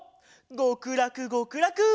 ごくらくごくらく！